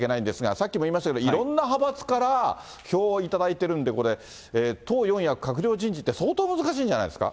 さっきも言いましたけど、いろんな派閥から票を頂いてるんで、これ、党四役、閣僚人事って、相当難しいんじゃないですか。